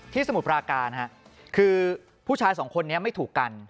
สมุทรปราการคือผู้ชายสองคนนี้ไม่ถูกกัน